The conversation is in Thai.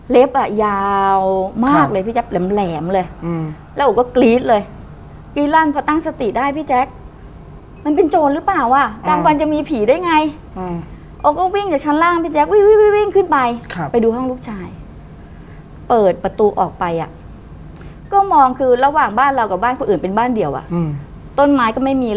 อ่ะยาวมากเลยพี่แจ๊บแหลมเลยแล้วโอก็กรี๊ดเลยกรี๊ดลั่นพอตั้งสติได้พี่แจ๊คมันเป็นโจรหรือเปล่าอ่ะกลางวันจะมีผีได้ไงโอก็วิ่งจากชั้นล่างพี่แจ๊ควิ่งขึ้นไปครับไปดูห้องลูกชายเปิดประตูออกไปอ่ะก็มองคือระหว่างบ้านเรากับบ้านคนอื่นเป็นบ้านเดียวอ่ะอืมต้นไม้ก็ไม่มี